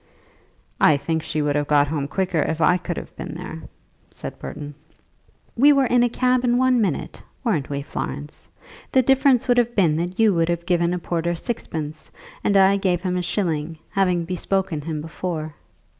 "I think she would have got home quicker if I could have been there," said Burton. "We were in a cab in one minute; weren't we, Florence? The difference would have been that you would have given a porter sixpence, and I gave him a shilling, having bespoken him before."